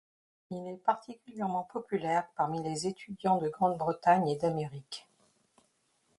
Il est particulièrement populaire parmi les étudiants de Grande-Bretagne et d'Amérique.